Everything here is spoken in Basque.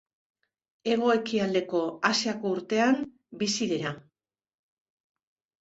Hego-ekialdeko Asiako urtean bizi dira.